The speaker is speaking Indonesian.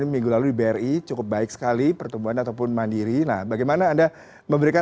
minggu lalu di bri cukup baik sekali pertumbuhan ataupun mandiri nah bagaimana anda memberikan